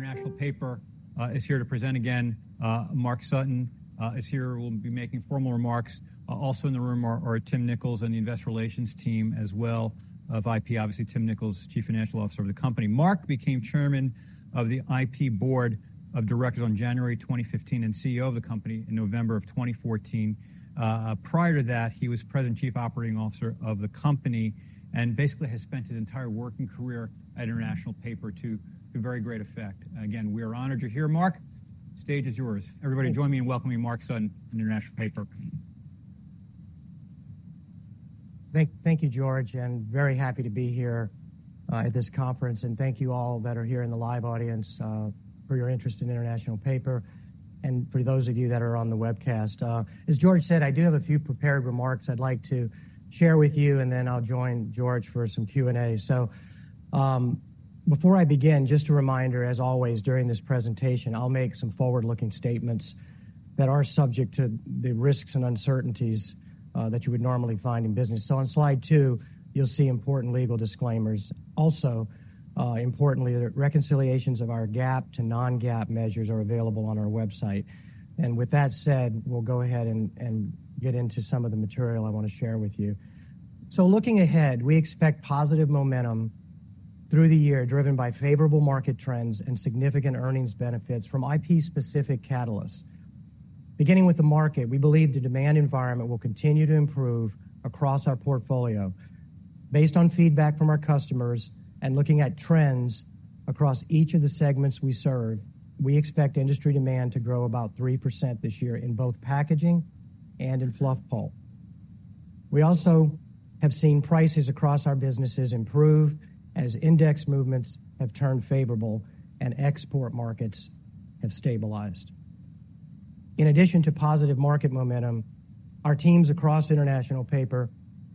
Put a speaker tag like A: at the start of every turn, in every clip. A: International Paper is here to present again. Mark Sutton is here. We'll be making formal remarks. Also in the room are Tim Nicholls and the Investor Relations team as well of IP. Obviously, Tim Nicholls, Chief Financial Officer of the company. Mark became Chairman of the IP Board of Directors on January 2015 and CEO of the company in November of 2014. Prior to that, he was President Chief Operating Officer of the company and basically has spent his entire working career at International Paper to very great effect. Again, we are honored you're here. Mark, stage is yours. Everybody, join me in welcoming Mark Sutton, International Paper.
B: Thank you, George. Very happy to be here at this conference. Thank you all that are here in the live audience for your interest in International Paper and for those of you that are on the webcast. As George said, I do have a few prepared remarks I'd like to share with you, and then I'll join George for some Q&A. Before I begin, just a reminder, as always during this presentation, I'll make some forward-looking statements that are subject to the risks and uncertainties that you would normally find in business. On slide two, you'll see important legal disclaimers. Also, importantly, reconciliations of our GAAP to non-GAAP measures are available on our website. With that said, we'll go ahead and get into some of the material I want to share with you. So looking ahead, we expect positive momentum through the year driven by favorable market trends and significant earnings benefits from IP-specific catalysts. Beginning with the market, we believe the demand environment will continue to improve across our portfolio. Based on feedback from our customers and looking at trends across each of the segments we serve, we expect industry demand to grow about 3% this year in both packaging and in fluff pulp. We also have seen prices across our businesses improve as index movements have turned favorable and export markets have stabilized. In addition to positive market momentum, our teams across International Paper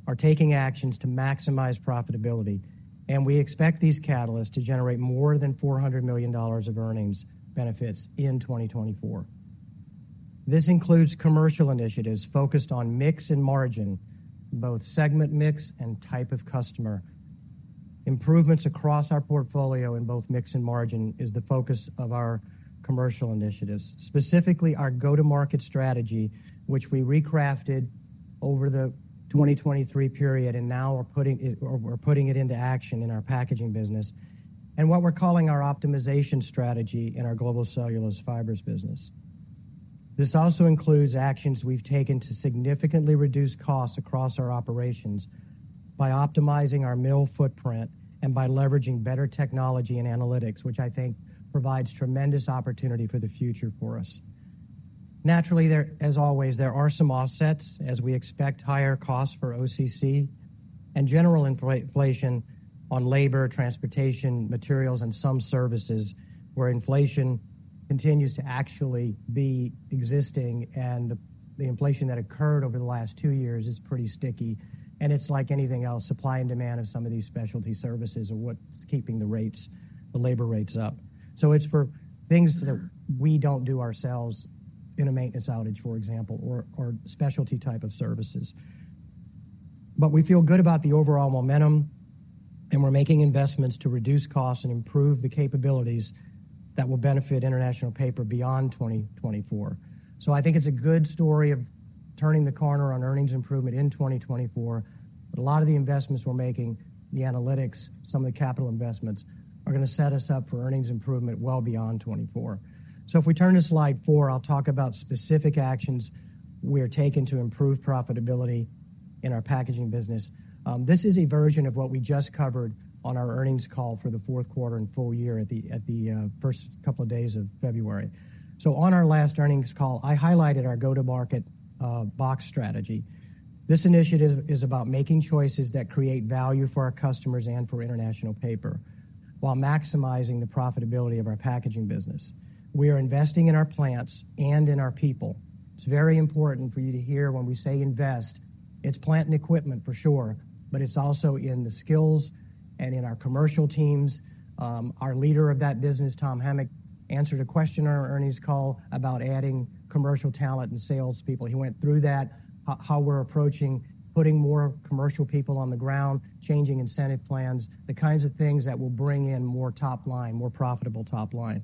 B: are taking actions to maximize profitability, and we expect these catalysts to generate more than $400 million of earnings benefits in 2024. This includes commercial initiatives focused on mix and margin, both segment mix and type of customer. Improvements across our portfolio in both mix and margin is the focus of our commercial initiatives, specifically our go-to-market strategy, which we recrafted over the 2023 period and now are putting it into action in our packaging business and what we're calling our optimization strategy in our Global Cellulose Fibers business. This also includes actions we've taken to significantly reduce costs across our operations by optimizing our mill footprint and by leveraging better technology and analytics, which I think provides tremendous opportunity for the future for us. Naturally, as always, there are some offsets as we expect higher costs for OCC and general inflation on labor, transportation, materials, and some services where inflation continues to actually be existing. The inflation that occurred over the last two years is pretty sticky. It's like anything else, supply and demand of some of these specialty services are what's keeping the labor rates up. It's for things that we don't do ourselves in a maintenance outage, for example, or specialty type of services. We feel good about the overall momentum, and we're making investments to reduce costs and improve the capabilities that will benefit International Paper beyond 2024. I think it's a good story of turning the corner on earnings improvement in 2024. A lot of the investments we're making, the analytics, some of the capital investments, are going to set us up for earnings improvement well beyond 2024. If we turn to slide four, I'll talk about specific actions we are taking to improve profitability in our packaging business. This is a version of what we just covered on our earnings call for the fourth quarter and full year at the first couple of days of February. On our last earnings call, I highlighted our go-to-market box strategy. This initiative is about making choices that create value for our customers and for International Paper while maximizing the profitability of our packaging business. We are investing in our plants and in our people. It's very important for you to hear when we say invest. It's plant and equipment for sure, but it's also in the skills and in our commercial teams. Our leader of that business, Tom Hamic, answered a question on our earnings call about adding commercial talent and salespeople. He went through that, how we're approaching putting more commercial people on the ground, changing incentive plans, the kinds of things that will bring in more profitable top line.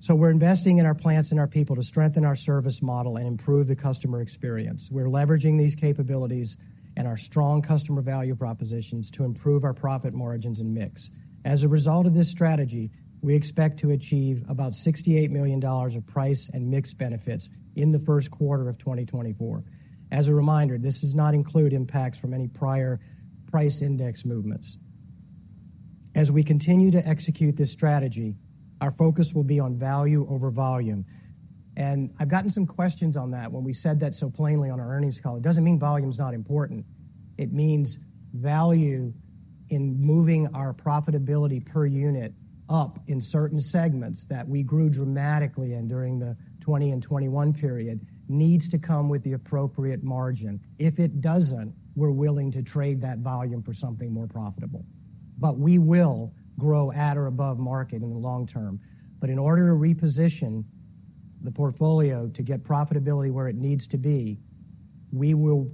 B: So we're investing in our plants and our people to strengthen our service model and improve the customer experience. We're leveraging these capabilities and our strong customer value propositions to improve our profit margins and mix. As a result of this strategy, we expect to achieve about $68 million of price and mix benefits in the first quarter of 2024. As a reminder, this does not include impacts from any prior price index movements. As we continue to execute this strategy, our focus will be on value over volume. And I've gotten some questions on that when we said that so plainly on our earnings call. It doesn't mean volume's not important. It means value in moving our profitability per unit up in certain segments that we grew dramatically in during the 2020 and 2021 period needs to come with the appropriate margin. If it doesn't, we're willing to trade that volume for something more profitable. We will grow at or above market in the long term. In order to reposition the portfolio to get profitability where it needs to be, we will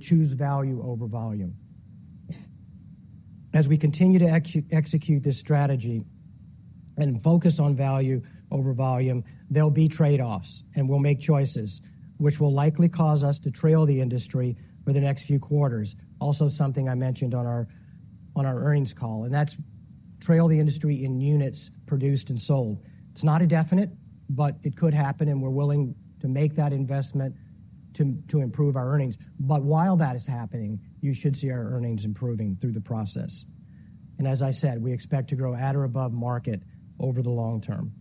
B: choose value over volume. As we continue to execute this strategy and focus on value over volume, there'll be trade-offs, and we'll make choices which will likely cause us to trail the industry for the next few quarters. Also something I mentioned on our earnings call. That's trail the industry in units produced and sold. It's not a definite, but it could happen, and we're willing to make that investment to improve our earnings. But while that is happening, you should see our earnings improving through the process. And as I said, we expect to grow at or above market over the long term.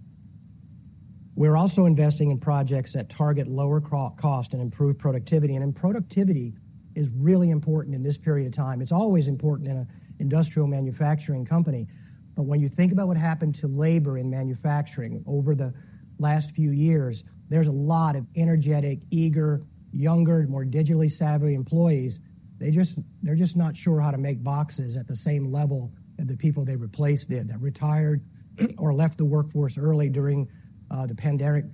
B: We're also investing in projects that target lower cost and improve productivity. And productivity is really important in this period of time. It's always important in an industrial manufacturing company. But when you think about what happened to labor in manufacturing over the last few years, there's a lot of energetic, eager, younger, more digitally savvy employees. They're just not sure how to make boxes at the same level that the people they replaced did, that retired or left the workforce early during the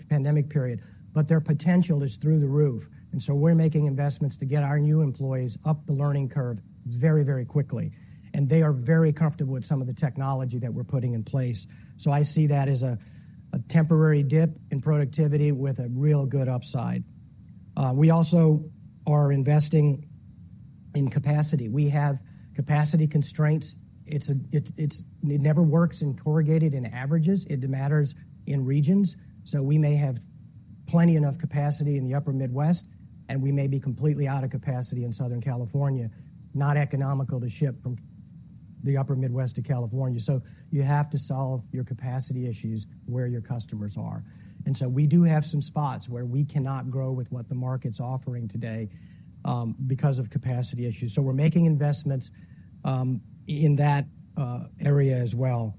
B: pandemic period. But their potential is through the roof. And so we're making investments to get our new employees up the learning curve very, very quickly. They are very comfortable with some of the technology that we're putting in place. I see that as a temporary dip in productivity with a real good upside. We also are investing in capacity. We have capacity constraints. It never works in corrugated and averages. It matters in regions. We may have plenty enough capacity in the Upper Midwest, and we may be completely out of capacity in Southern California. Not economical to ship from the Upper Midwest to California. You have to solve your capacity issues where your customers are. We do have some spots where we cannot grow with what the market's offering today because of capacity issues. We're making investments in that area as well.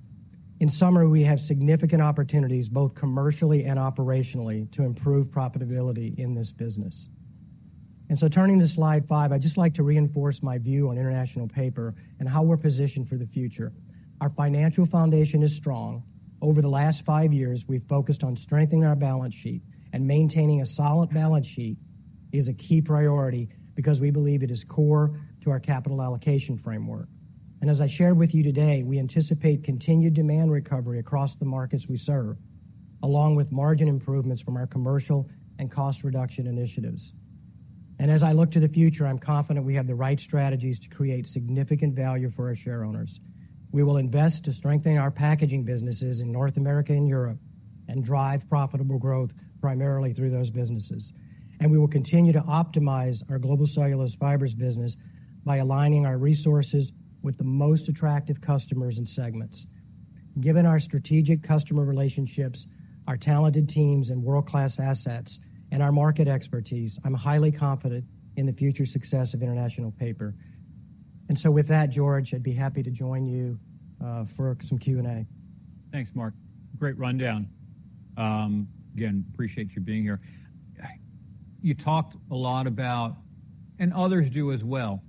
B: In summary, we have significant opportunities both commercially and operationally to improve profitability in this business. So turning to slide five, I'd just like to reinforce my view on International Paper and how we're positioned for the future. Our financial foundation is strong. Over the last 5 years, we've focused on strengthening our balance sheet, and maintaining a solid balance sheet is a key priority because we believe it is core to our capital allocation framework. As I shared with you today, we anticipate continued demand recovery across the markets we serve along with margin improvements from our commercial and cost reduction initiatives. As I look to the future, I'm confident we have the right strategies to create significant value for our shareholders. We will invest to strengthen our Packaging Businesses in North America and Europe and drive profitable growth primarily through those businesses. We will continue to optimize our Global Cellulose Fibers business by aligning our resources with the most attractive customers and segments. Given our strategic customer relationships, our talented teams and world-class assets, and our market expertise, I'm highly confident in the future success of International Paper. So with that, George, I'd be happy to join you for some Q&A.
A: Thanks, Mark. Great rundown. Again, appreciate you being here. You talked a lot about, and others do as well,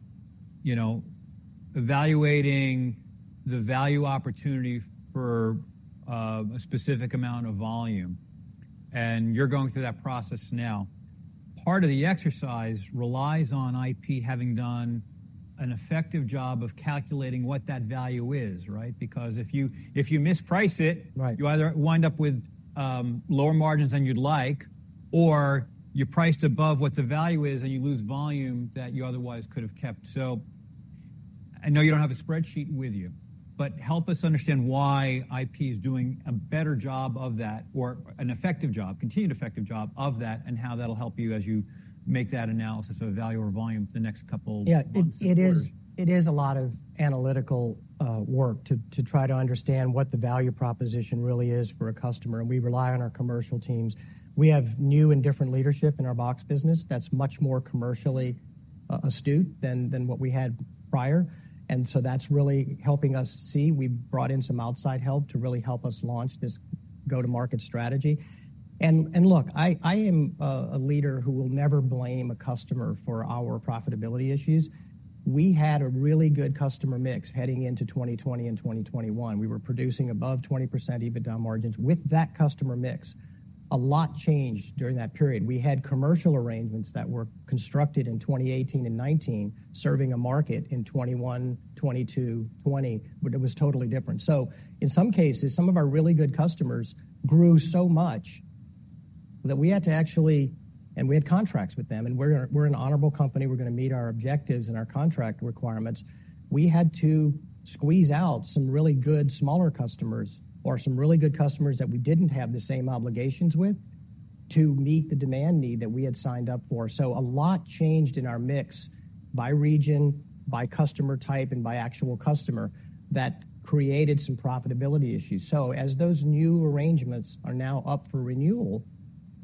A: evaluating the value opportunity for a specific amount of volume. You're going through that process now. Part of the exercise relies on IP having done an effective job of calculating what that value is, right? Because if you misprice it, you either wind up with lower margins than you'd like or you priced above what the value is, and you lose volume that you otherwise could have kept. So I know you don't have a spreadsheet with you, but help us understand why IP is doing a better job of that or an effective job, continued effective job of that, and how that'll help you as you make that analysis of value or volume the next couple months or years.
B: Yeah. It is a lot of analytical work to try to understand what the value proposition really is for a customer. We rely on our commercial teams. We have new and different leadership in our box business that's much more commercially astute than what we had prior. That's really helping us see. We brought in some outside help to really help us launch this go-to-market strategy. Look, I am a leader who will never blame a customer for our profitability issues. We had a really good customer mix heading into 2020 and 2021. We were producing above 20% EBITDA margins. With that customer mix, a lot changed during that period. We had commercial arrangements that were constructed in 2018 and 2019 serving a market in 2021, 2022, 2020, but it was totally different. So in some cases, some of our really good customers grew so much that we had to actually and we had contracts with them, and we're an honorable company. We're going to meet our objectives and our contract requirements. We had to squeeze out some really good smaller customers or some really good customers that we didn't have the same obligations with to meet the demand need that we had signed up for. So a lot changed in our mix by region, by customer type, and by actual customer that created some profitability issues. So as those new arrangements are now up for renewal,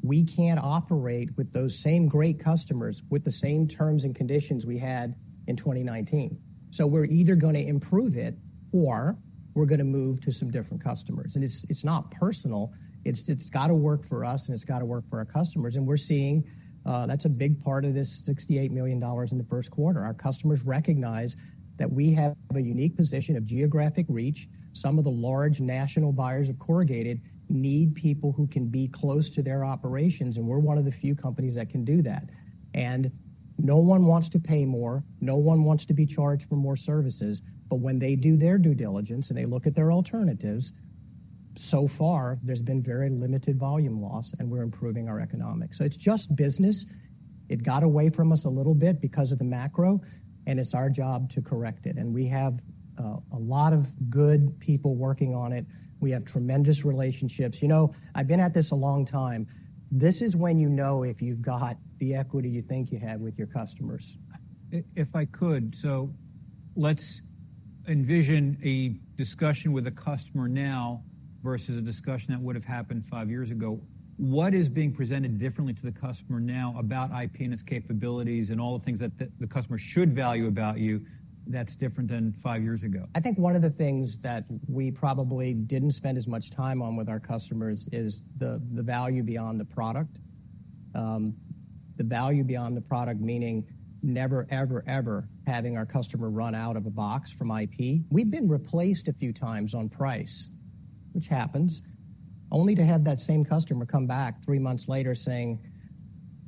B: we can't operate with those same great customers with the same terms and conditions we had in 2019. So we're either going to improve it or we're going to move to some different customers. And it's not personal. It's got to work for us, and it's got to work for our customers. And we're seeing that's a big part of this $68 million in the first quarter. Our customers recognize that we have a unique position of geographic reach. Some of the large national buyers of corrugated need people who can be close to their operations, and we're one of the few companies that can do that. And no one wants to pay more. No one wants to be charged for more services. But when they do their due diligence and they look at their alternatives, so far, there's been very limited volume loss, and we're improving our economics. So it's just business. It got away from us a little bit because of the macro, and it's our job to correct it. And we have a lot of good people working on it. We have tremendous relationships. I've been at this a long time. This is when you know if you've got the equity you think you had with your customers.
A: If I could, so let's envision a discussion with a customer now versus a discussion that would have happened five years ago. What is being presented differently to the customer now about IP and its capabilities and all the things that the customer should value about you that's different than five years ago?
B: I think one of the things that we probably didn't spend as much time on with our customers is the value beyond the product. The value beyond the product, meaning never, ever, ever having our customer run out of a box from IP. We've been replaced a few times on price, which happens, only to have that same customer come back three months later saying,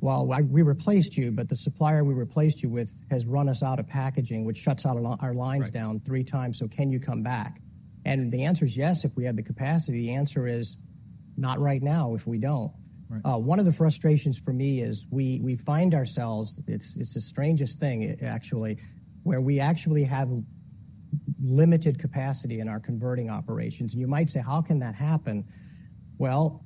B: "Well, we replaced you, but the supplier we replaced you with has run us out of packaging, which shuts our lines down three times. So can you come back?" And the answer is yes. If we have the capacity, the answer is not right now if we don't. One of the frustrations for me is we find ourselves it's the strangest thing, actually, where we actually have limited capacity in our converting operations. You might say, "How can that happen?" Well,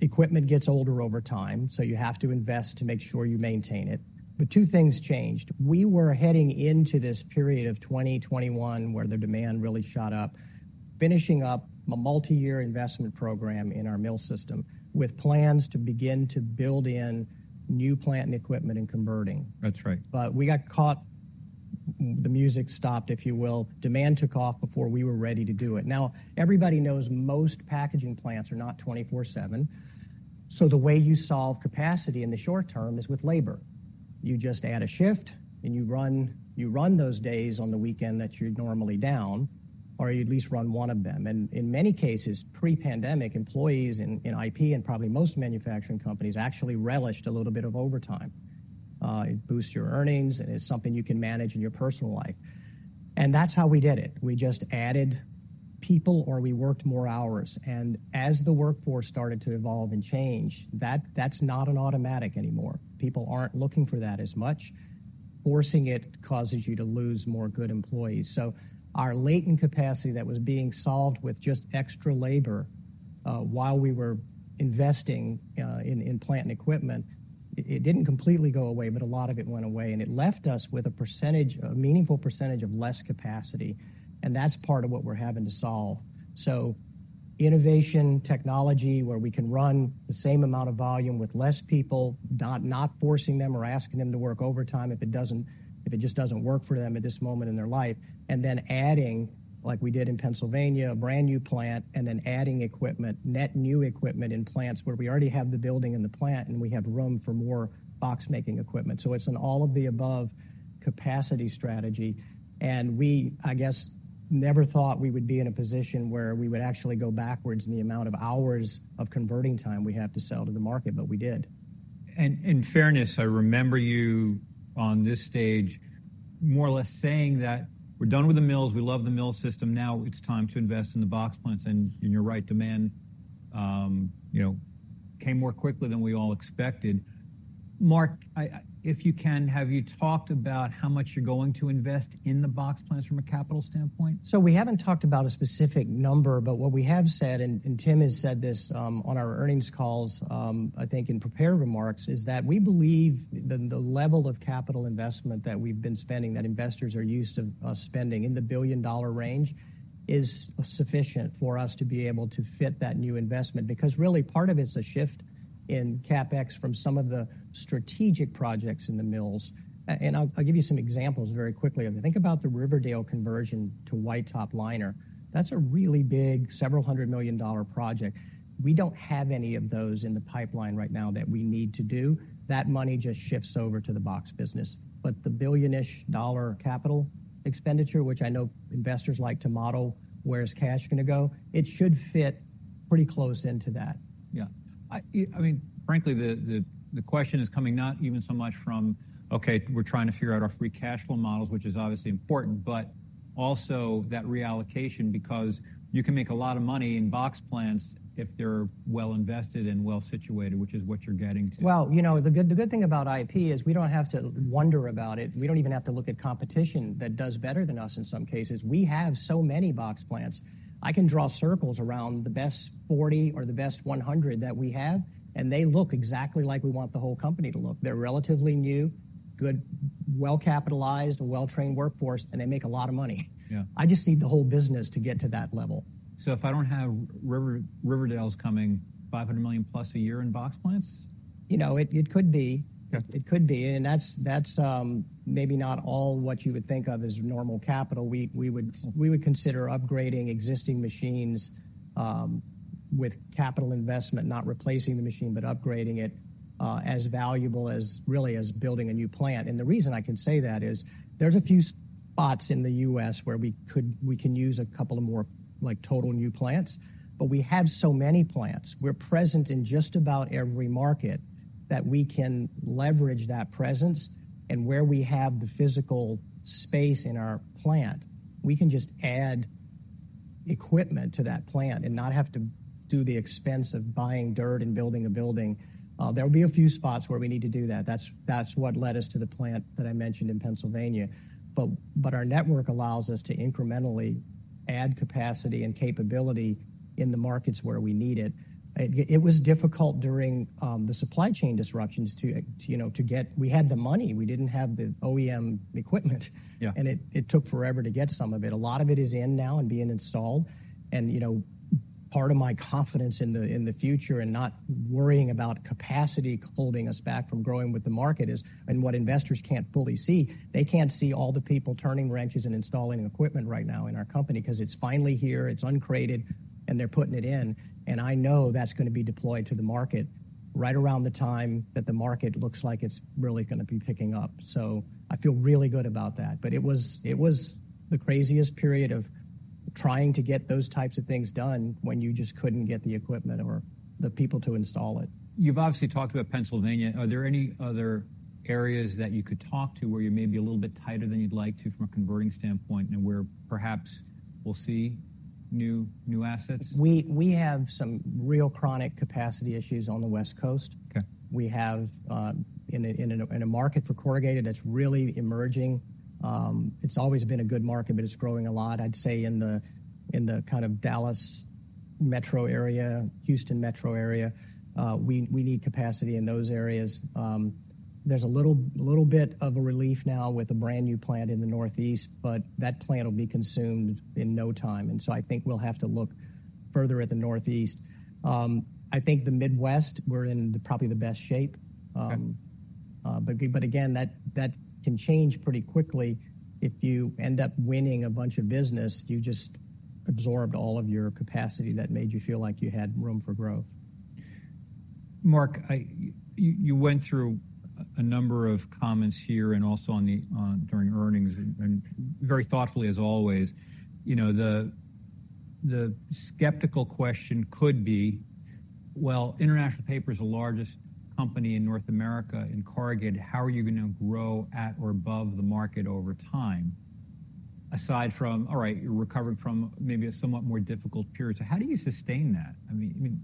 B: equipment gets older over time, so you have to invest to make sure you maintain it. But two things changed. We were heading into this period of 2021 where the demand really shot up, finishing up a multi-year investment program in our mill system with plans to begin to build in new plant and equipment and converting.
A: That's right.
B: But we got caught. The music stopped, if you will. Demand took off before we were ready to do it. Now, everybody knows most packaging plants are not 24/7. So the way you solve capacity in the short term is with labor. You just add a shift, and you run those days on the weekend that you're normally down, or you at least run one of them. And in many cases, pre-pandemic, employees in IP and probably most manufacturing companies actually relished a little bit of overtime. It boosts your earnings, and it's something you can manage in your personal life. And that's how we did it. We just added people, or we worked more hours. And as the workforce started to evolve and change, that's not an automatic anymore. People aren't looking for that as much. Forcing it causes you to lose more good employees. Our latent capacity that was being solved with just extra labor while we were investing in plant and equipment, it didn't completely go away, but a lot of it went away. It left us with a meaningful percentage of less capacity. That's part of what we're having to solve. Innovation, technology, where we can run the same amount of volume with less people, not forcing them or asking them to work overtime if it just doesn't work for them at this moment in their life, and then adding, like we did in Pennsylvania, a brand new plant, and then adding equipment, net new equipment in plants where we already have the building and the plant, and we have room for more box-making equipment. It's an all-of-the-above capacity strategy. We, I guess, never thought we would be in a position where we would actually go backwards in the amount of hours of converting time we have to sell to the market, but we did.
A: In fairness, I remember you on this stage more or less saying that we're done with the mills. We love the mill system. Now it's time to invest in the box plants. You're right. Demand came more quickly than we all expected. Mark, if you can, have you talked about how much you're going to invest in the box plants from a capital standpoint?
B: So we haven't talked about a specific number, but what we have said, and Tim has said this on our earnings calls, I think, in prepared remarks, is that we believe the level of capital investment that we've been spending, that investors are used to us spending in the billion-dollar range, is sufficient for us to be able to fit that new investment because really part of it's a shift in CapEx from some of the strategic projects in the mills. And I'll give you some examples very quickly of it. Think about the Riverdale conversion to white top liner. That's a really big, $several hundred million project. We don't have any of those in the pipeline right now that we need to do. That money just shifts over to the box business. But the $1 billion-ish capital expenditure, which I know investors like to model, where is cash going to go? It should fit pretty close into that.
A: Yeah. I mean, frankly, the question is coming not even so much from, "Okay, we're trying to figure out our free cash flow models," which is obviously important, but also that reallocation because you can make a lot of money in box plants if they're well invested and well situated, which is what you're getting to.
B: Well, the good thing about IP is we don't have to wonder about it. We don't even have to look at competition that does better than us in some cases. We have so many box plants. I can draw circles around the best 40 or the best 100 that we have, and they look exactly like we want the whole company to look. They're relatively new, good, well-capitalized, well-trained workforce, and they make a lot of money. I just need the whole business to get to that level.
A: So if I don't have Riverdale's coming $500 million plus a year in box plants?
B: It could be. It could be. And that's maybe not all what you would think of as normal capital. We would consider upgrading existing machines with capital investment, not replacing the machine, but upgrading it as valuable as really as building a new plant. And the reason I can say that is there's a few spots in the U.S. where we can use a couple of more total new plants, but we have so many plants. We're present in just about every market that we can leverage that presence. And where we have the physical space in our plant, we can just add equipment to that plant and not have to do the expense of buying dirt and building a building. There'll be a few spots where we need to do that. That's what led us to the plant that I mentioned in Pennsylvania. But our network allows us to incrementally add capacity and capability in the markets where we need it. It was difficult during the supply chain disruptions to get. We had the money. We didn't have the OEM equipment, and it took forever to get some of it. A lot of it is in now and being installed. And part of my confidence in the future and not worrying about capacity holding us back from growing with the market is, and what investors can't fully see, they can't see all the people turning wrenches and installing equipment right now in our company because it's finally here. It's uncrated, and they're putting it in. And I know that's going to be deployed to the market right around the time that the market looks like it's really going to be picking up. So I feel really good about that. It was the craziest period of trying to get those types of things done when you just couldn't get the equipment or the people to install it.
A: You've obviously talked about Pennsylvania. Are there any other areas that you could talk to where you may be a little bit tighter than you'd like to from a converting standpoint and where perhaps we'll see new assets?
B: We have some real chronic capacity issues on the West Coast. We have in a market for corrugated that's really emerging. It's always been a good market, but it's growing a lot. I'd say in the kind of Dallas metro area, Houston metro area, we need capacity in those areas. There's a little bit of a relief now with a brand new plant in the Northeast, but that plant will be consumed in no time. And so I think we'll have to look further at the Northeast. I think the Midwest, we're in probably the best shape. But again, that can change pretty quickly. If you end up winning a bunch of business, you just absorbed all of your capacity that made you feel like you had room for growth.
A: Mark, you went through a number of comments here and also during earnings and very thoughtfully, as always. The skeptical question could be, "Well, International Paper is the largest company in North America in corrugated. How are you going to grow at or above the market over time aside from, all right, you're recovering from maybe a somewhat more difficult period?" So how do you sustain that? I mean,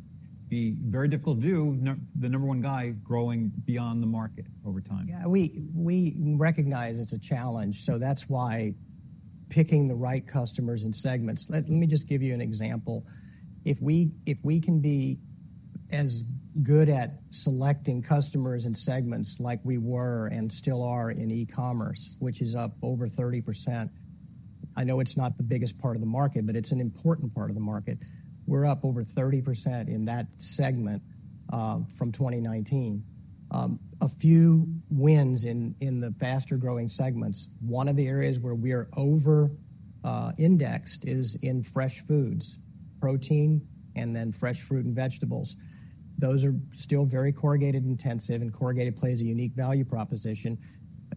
A: it'd be very difficult to do the number one guy growing beyond the market over time.
B: Yeah. We recognize it's a challenge. So that's why picking the right customers and segments, let me just give you an example. If we can be as good at selecting customers and segments like we were and still are in e-commerce, which is up over 30%, I know it's not the biggest part of the market, but it's an important part of the market. We're up over 30% in that segment from 2019. A few wins in the faster-growing segments. One of the areas where we are over-indexed is in fresh foods, protein, and then fresh fruit and vegetables. Those are still very corrugated-intensive, and corrugated plays a unique value proposition.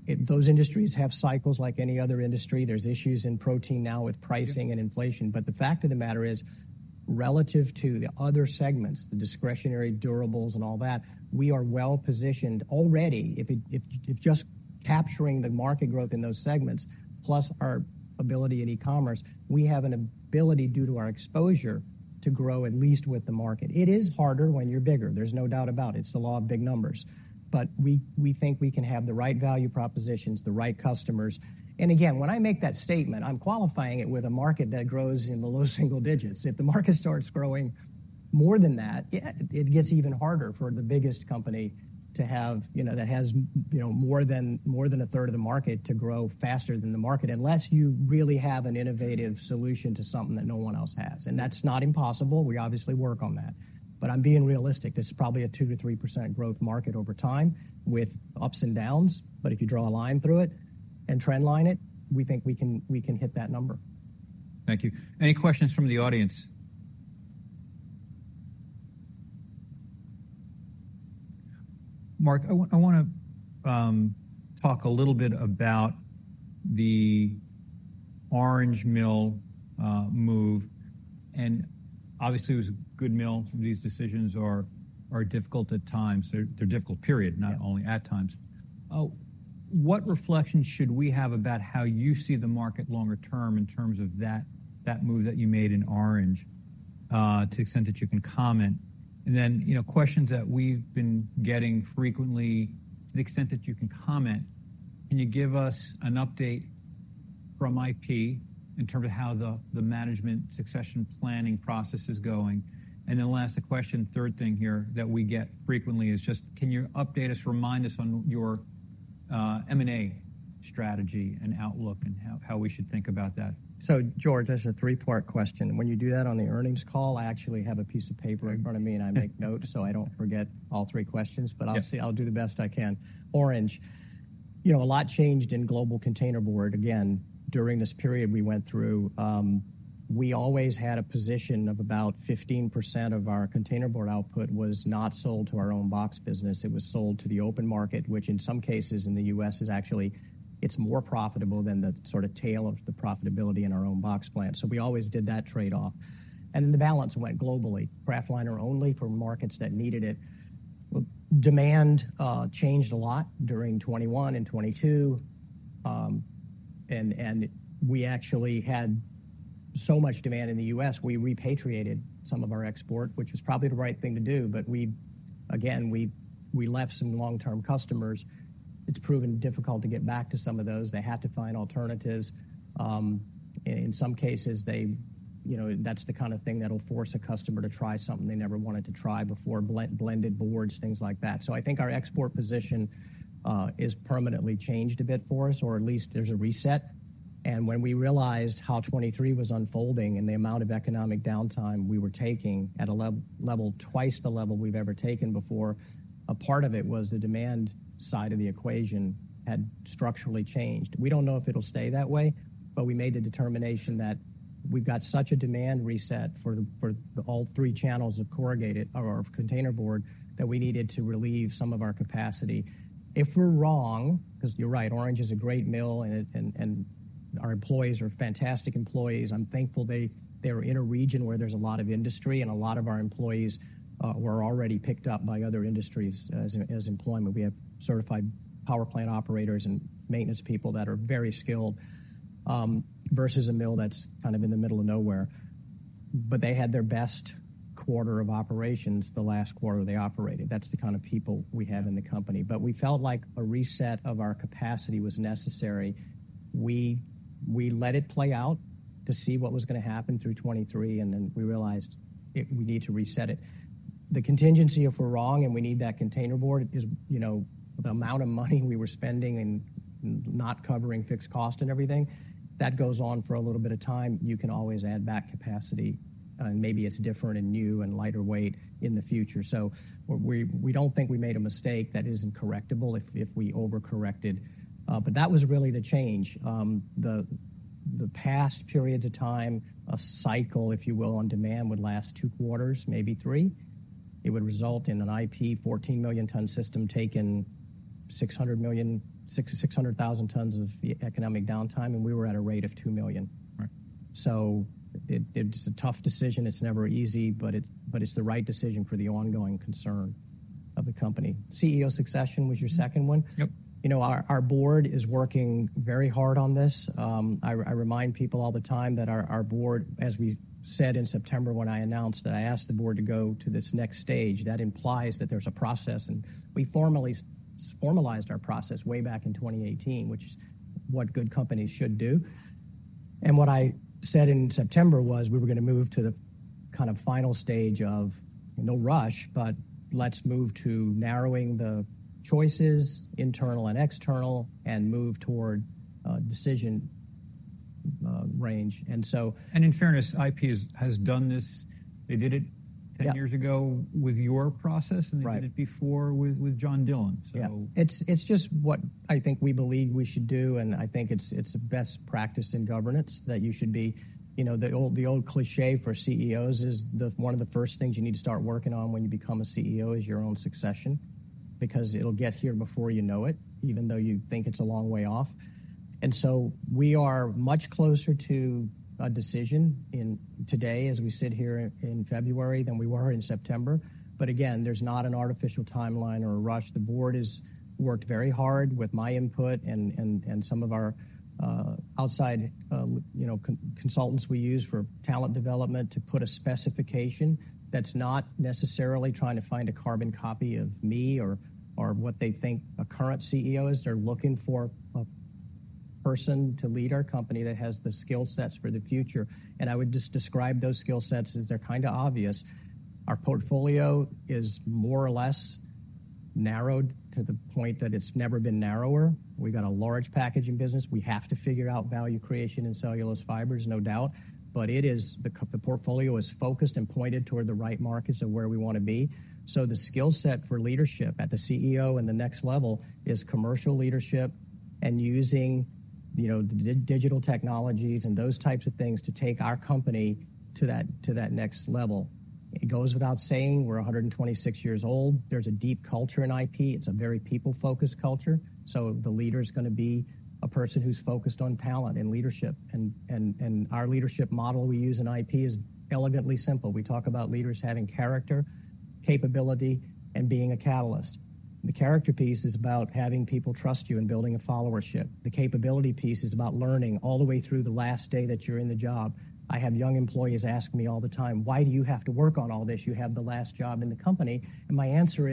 B: Those industries have cycles like any other industry. There's issues in protein now with pricing and inflation. But the fact of the matter is, relative to the other segments, the discretionary durables and all that, we are well-positioned already if just capturing the market growth in those segments plus our ability in e-commerce. We have an ability, due to our exposure, to grow at least with the market. It is harder when you're bigger. There's no doubt about it. It's the law of big numbers. But we think we can have the right value propositions, the right customers. And again, when I make that statement, I'm qualifying it with a market that grows in the low single digits. If the market starts growing more than that, it gets even harder for the biggest company that has more than a third of the market to grow faster than the market unless you really have an innovative solution to something that no one else has. And that's not impossible. We obviously work on that. But I'm being realistic. This is probably a 2%-3% growth market over time with ups and downs. But if you draw a line through it and trendline it, we think we can hit that number.
A: Thank you. Any questions from the audience? Mark, I want to talk a little bit about the Orange Mill move. Obviously, it was a good mill. These decisions are difficult at times. They're difficult, period, not only at times. What reflections should we have about how you see the market longer term in terms of that move that you made in Orange to the extent that you can comment? And then questions that we've been getting frequently to the extent that you can comment. Can you give us an update from IP in terms of how the management succession planning process is going? And then last question, third thing here that we get frequently is just, can you update us, remind us on your M&A strategy and outlook and how we should think about that?
B: So George, that's a three-part question. When you do that on the earnings call, I actually have a piece of paper in front of me, and I make notes so I don't forget all three questions. But I'll do the best I can. Orange, a lot changed in global containerboard. Again, during this period we went through, we always had a position of about 15% of our containerboard output was not sold to our own box business. It was sold to the open market, which in some cases in the U.S. is actually more profitable than the sort of tail of the profitability in our own box plant. So we always did that trade-off. And then the balance went globally, kraftliner only for markets that needed it. Well, demand changed a lot during 2021 and 2022. And we actually had so much demand in the U.S., we repatriated some of our export, which was probably the right thing to do. But again, we left some long-term customers. It's proven difficult to get back to some of those. They had to find alternatives. In some cases, that's the kind of thing that'll force a customer to try something they never wanted to try before, blended boards, things like that. So I think our export position is permanently changed a bit for us, or at least there's a reset. And when we realized how 2023 was unfolding and the amount of economic downtime we were taking at a level twice the level we've ever taken before, a part of it was the demand side of the equation had structurally changed. We don't know if it'll stay that way, but we made the determination that we've got such a demand reset for all three channels of containerboard that we needed to relieve some of our capacity. If we're wrong because you're right, Orange is a great mill, and our employees are fantastic employees. I'm thankful they're in a region where there's a lot of industry, and a lot of our employees were already picked up by other industries as employment. We have certified power plant operators and maintenance people that are very skilled versus a mill that's kind of in the middle of nowhere. But they had their best quarter of operations the last quarter they operated. That's the kind of people we have in the company. But we felt like a reset of our capacity was necessary. We let it play out to see what was going to happen through 2023, and then we realized we need to reset it. The contingency if we're wrong and we need that containerboard is the amount of money we were spending and not covering fixed cost and everything. That goes on for a little bit of time. You can always add back capacity, and maybe it's different and new and lighter weight in the future. So we don't think we made a mistake that isn't correctable if we overcorrected. But that was really the change. The past periods of time, a cycle, if you will, on demand would last two quarters, maybe three. It would result in an IP 14 million-ton system taking 600,000 tons of economic downtime, and we were at a rate of 2 million. So it's a tough decision. It's never easy, but it's the right decision for the ongoing concern of the company. CEO succession was your second one. Our board is working very hard on this. I remind people all the time that our board, as we said in September when I announced that I asked the board to go to this next stage, that implies that there's a process. And we formalized our process way back in 2018, which is what good companies should do. And what I said in September was we were going to move to the kind of final stage of no rush, but let's move to narrowing the choices, internal and external, and move toward decision range. And so.
A: In fairness, IP has done this. They did it 10 years ago with your process, and they did it before with John Dillon. So.
B: Yeah. It's just what I think we believe we should do, and I think it's best practice in governance that you should be the old cliché for CEOs is one of the first things you need to start working on when you become a CEO is your own succession because it'll get here before you know it, even though you think it's a long way off. And so we are much closer to a decision today as we sit here in February than we were in September. But again, there's not an artificial timeline or a rush. The board has worked very hard with my input and some of our outside consultants we use for talent development to put a specification that's not necessarily trying to find a carbon copy of me or what they think a current CEO is. They're looking for a person to lead our company that has the skill sets for the future. I would just describe those skill sets as they're kind of obvious. Our portfolio is more or less narrowed to the point that it's never been narrower. We got a large packaging business. We have to figure out value creation in cellulose fibers, no doubt. The portfolio is focused and pointed toward the right markets of where we want to be. The skill set for leadership at the CEO and the next level is commercial leadership and using the digital technologies and those types of things to take our company to that next level. It goes without saying we're 126 years old. There's a deep culture in IP. It's a very people-focused culture. The leader is going to be a person who's focused on talent and leadership. Our leadership model we use in IP is elegantly simple. We talk about leaders having character, capability, and being a catalyst. The character piece is about having people trust you and building a followership. The capability piece is about learning all the way through the last day that you're in the job. I have young employees ask me all the time, "Why do you have to work on all this? You have the last job in the company." My answer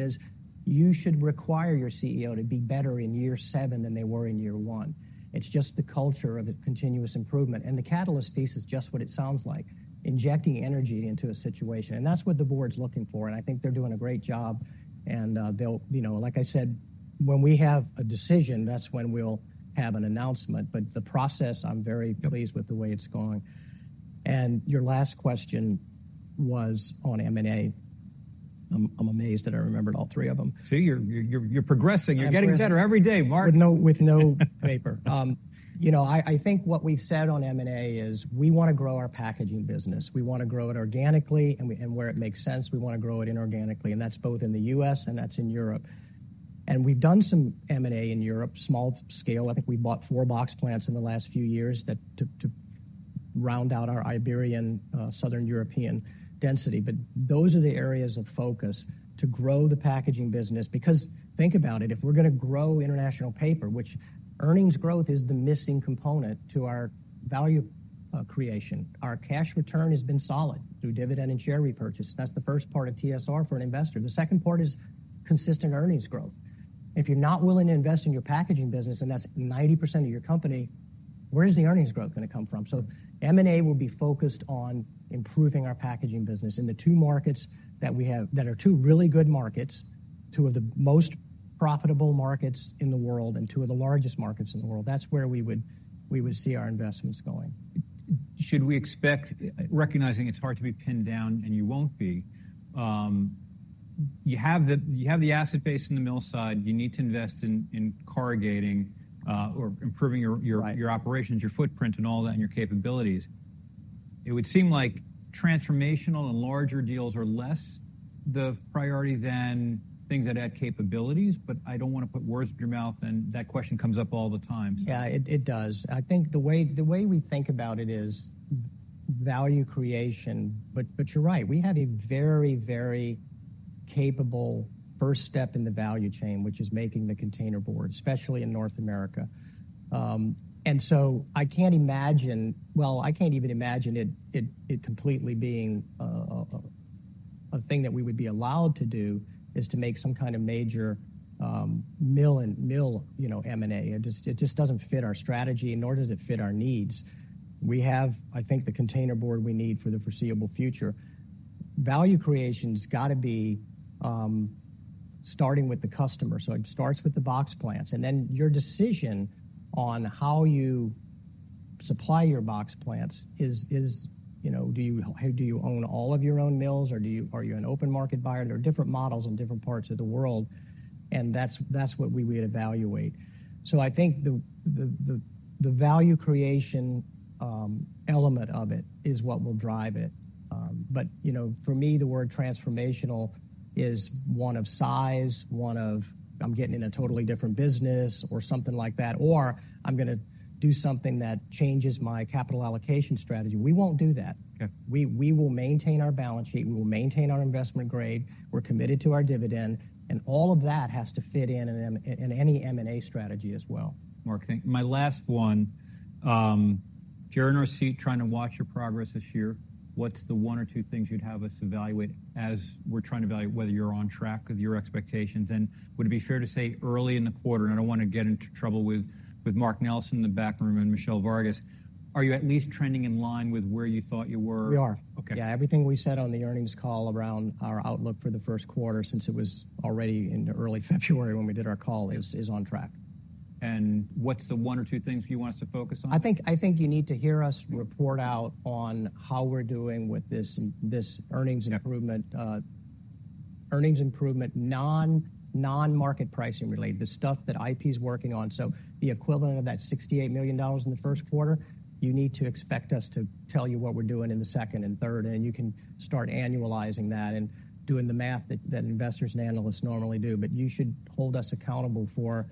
B: is you should require your CEO to be better in year seven than they were in year one. It's just the culture of continuous improvement. The catalyst piece is just what it sounds like, injecting energy into a situation. That's what the board's looking for. I think they're doing a great job. Like I said, when we have a decision, that's when we'll have an announcement. But the process, I'm very pleased with the way it's going. And your last question was on M&A. I'm amazed that I remembered all three of them.
A: See, you're progressing. You're getting better every day, Mark.
B: With no paper. I think what we've said on M&A is we want to grow our packaging business. We want to grow it organically and where it makes sense. We want to grow it inorganically. And that's both in the U.S. and that's in Europe. And we've done some M&A in Europe, small-scale. I think we bought four box plants in the last few years to round out our Iberian, southern European density. But those are the areas of focus to grow the packaging business because think about it. If we're going to grow International Paper, which earnings growth is the missing component to our value creation, our cash return has been solid through dividend and share repurchase. That's the first part of TSR for an investor. The second part is consistent earnings growth. If you're not willing to invest in your packaging business, and that's 90% of your company, where is the earnings growth going to come from? So M&A will be focused on improving our packaging business in the two markets that are two really good markets, two of the most profitable markets in the world, and two of the largest markets in the world. That's where we would see our investments going.
A: Should we expect, recognizing it's hard to be pinned down and you won't be, you have the asset base in the mill side? You need to invest in corrugating or improving your operations, your footprint, and all that, and your capabilities. It would seem like transformational and larger deals are less the priority than things that add capabilities. But I don't want to put words in your mouth, and that question comes up all the time.
B: Yeah, it does. I think the way we think about it is value creation. But you're right. We have a very, very capable first step in the value chain, which is making the containerboard, especially in North America. And so I can't imagine well, I can't even imagine it completely being a thing that we would be allowed to do is to make some kind of major mill M&A. It just doesn't fit our strategy, nor does it fit our needs. We have, I think, the containerboard we need for the foreseeable future. Value creation's got to be starting with the customer. So it starts with the box plants. And then your decision on how you supply your box plants is do you own all of your own mills, or are you an open-market buyer? There are different models in different parts of the world. That's what we would evaluate. So I think the value creation element of it is what will drive it. But for me, the word transformational is one of size, one of I'm getting in a totally different business or something like that, or I'm going to do something that changes my capital allocation strategy. We won't do that. We will maintain our balance sheet. We will maintain our investment grade. We're committed to our dividend. All of that has to fit in any M&A strategy as well.
A: Mark, my last one. If you're in our seat trying to watch your progress this year, what's the one or two things you'd have us evaluate as we're trying to evaluate whether you're on track with your expectations? And would it be fair to say early in the quarter and I don't want to get into trouble with Mark Nelson in the back room and Michele Vargas, are you at least trending in line with where you thought you were?
B: We are. Yeah. Everything we said on the earnings call around our outlook for the first quarter, since it was already in early February when we did our call, is on track.
A: What's the one or two things you want us to focus on?
B: I think you need to hear us report out on how we're doing with this earnings improvement, non-market pricing related, the stuff that IP is working on. So the equivalent of that $68 million in the first quarter, you need to expect us to tell you what we're doing in the second and third. And you can start annualizing that and doing the math that investors and analysts normally do. But you should hold us accountable for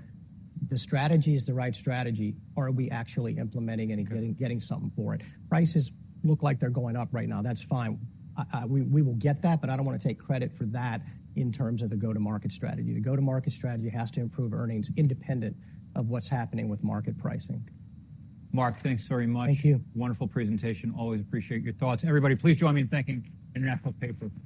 B: the strategy is the right strategy. Are we actually implementing and getting something for it? Prices look like they're going up right now. That's fine. We will get that, but I don't want to take credit for that in terms of the go-to-market strategy. The go-to-market strategy has to improve earnings independent of what's happening with market pricing.
A: Mark, thanks very much. Wonderful presentation. Always appreciate your thoughts. Everybody, please join me in thanking International Paper.